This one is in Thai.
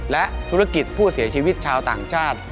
และธุรกิจผู้เสียชีวิตชาวต่างชาติ